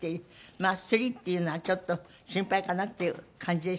まあⅢっていうのはちょっと心配かなっていう感じでしょ？